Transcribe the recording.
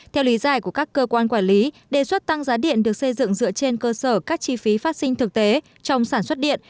theo lý giải của các cơ quan quản lý đề xuất tăng giá điện được xây dựng dựa trên cơ sở các chi phí phát sinh thực tế trong sản xuất điện